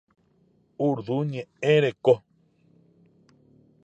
Urdu ñe'ẽ reko.